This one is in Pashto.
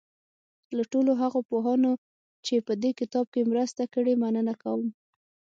له ټولو هغو پوهانو چې په دې کتاب کې مرسته کړې مننه کوم.